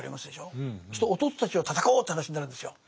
そうすると弟たちは戦おうという話になるんですよ。